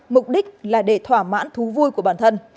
mục đích là để thỏa mãn thú vui của bản thân